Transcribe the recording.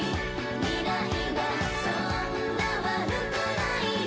未来はそんな悪くないよ